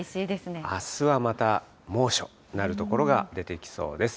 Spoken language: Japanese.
あすはまた猛暑になる所が出てきそうです。